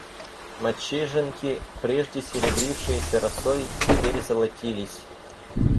Мочежинки, прежде серебрившиеся росой, теперь золотились.